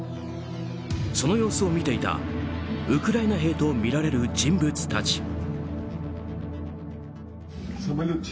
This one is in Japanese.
その様子を見ていたウクライナ兵とみられる人物たち。